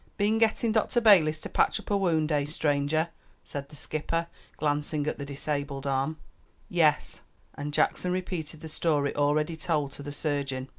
"Been getting Dr. Balis to patch up a wound, eh, stranger?" said the skipper, glancing at the disabled arm. "Yes;" and Jackson repeated the story already told to the surgeon.